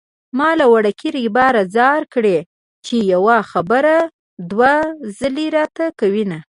ما له وړوکي ريبار ځار کړې چې يوه خبره دوه ځلې راته کوينه